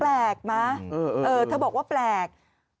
แปลกมั้ยถ้าบอกว่าแปลก